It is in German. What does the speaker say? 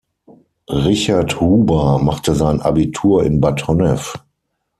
Richard Huber machte sein Abitur in Bad Honnef.